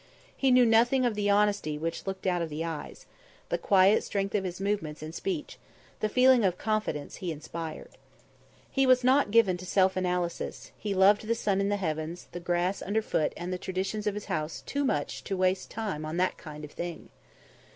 He knew nothing of the honesty which looked out of the eyes; the quiet strength of his movements and speech; the feeling of confidence he inspired. He was not given to self analysis; he loved the sun in the heavens, the grass under foot and the traditions of his house too much to waste time on that kind of thing.